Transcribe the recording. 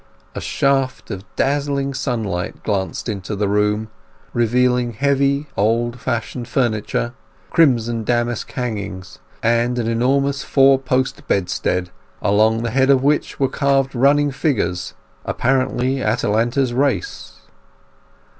A shaft of dazzling sunlight glanced into the room, revealing heavy, old fashioned furniture, crimson damask hangings, and an enormous four post bedstead, along the head of which were carved running figures, apparently Atalanta's race.